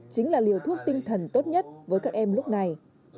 chính là liều thuốc tinh thần tốt nhất với các em lúc này